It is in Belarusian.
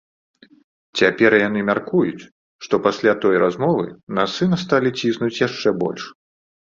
Цяпер яны мяркуюць, што пасля той размовы на сына сталі ціснуць яшчэ больш.